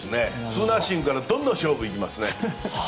ツーナッシングからどんどん勝負に行きますね。